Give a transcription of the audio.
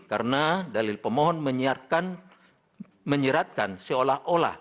karena dalil pemohon menyeratkan seolah olah